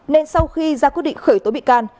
nên sau khi ra quyết định khởi tố bị can